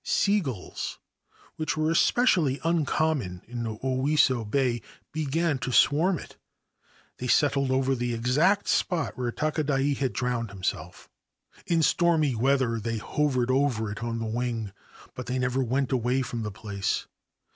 Sea gulls, which were especially uncommon in Oiso Bay, began to swarm into it ; they settled over the exact spot where Takadai had drowned himself. In stormy weather they hovered over it on the wing ; but they never went away from the place.